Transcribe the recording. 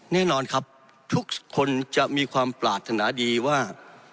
แน่นอนครับทุกคนจะมีความปรารถนาดีว่า